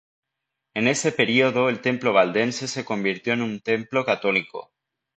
En ese período el templo valdense se convirtió en un templo católico.